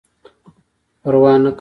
پروا نه کوله.